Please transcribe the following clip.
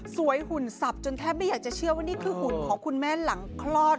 หุ่นสับจนแทบไม่อยากจะเชื่อว่านี่คือหุ่นของคุณแม่หลังคลอด